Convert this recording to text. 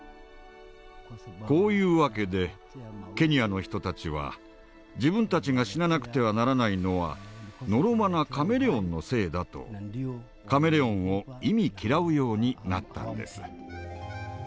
こういう訳でケニアの人たちは自分たちが死ななくてはならないのはのろまなカメレオンのせいだとカメレオンを忌み嫌うようになったんです。